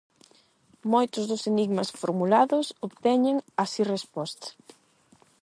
Moitos dos enigmas formulados obteñen, así resposta.